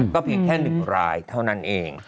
เพียงแค่๑รายเท่านั้นเอง